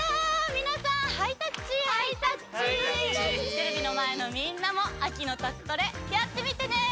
テレビのまえのみんなも秋の宅トレやってみてね！